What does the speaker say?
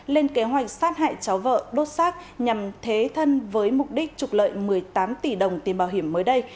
lên kế hoạch sát hại cháu vợ đốt xác nhằm thế thân với mục đích trục lợi một mươi tám tỷ đồng tiền bảo hiểm mới đây